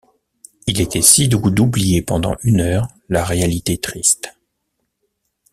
Il était si doux d’oublier pendant une heure la réalité triste!